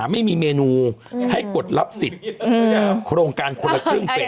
ไม่มีเมนูให้กดรับสิทธิ์โครงการคนละครึ่งเฟส